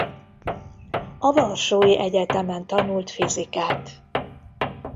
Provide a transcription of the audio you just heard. A Varsói Egyetemen tanult fizikát.